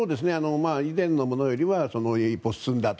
以前のものよりは一歩進んだと。